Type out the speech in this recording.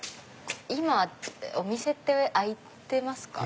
今はお店って開いてますか？